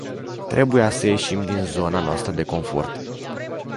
Trebuia să ieșim din zona noastră de confort.